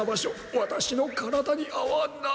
ワタシの体に合わない。